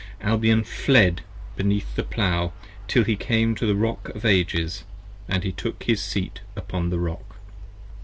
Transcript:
Albion fled beneath the Plow Till he came to the Rock of Ages, & he took his Seat upon the Rock.